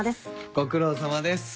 ご苦労さまです。